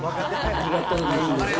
ありがとうございます。